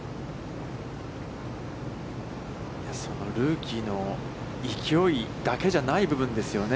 そのルーキーの勢いだけじゃない部分ですよね。